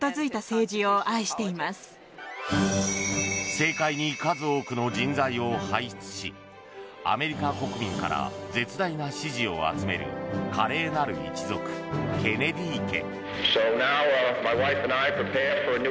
政界に数多くの人材を輩出しアメリカ国民から絶大な支持を集める華麗なる一族ケネディ家。